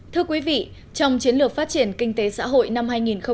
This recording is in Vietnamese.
thưa quý vị trong chiến lược phát triển kinh tế xã hội năm hai nghìn một mươi bảy